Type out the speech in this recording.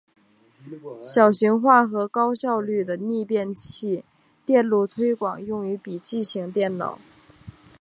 小型化和高效率的逆变器电路推广用于笔记型电脑。